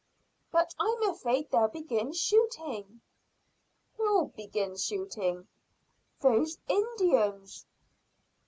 "But I'm afraid they'll begin shooting." "Who'll begin shooting?" "Those Indians."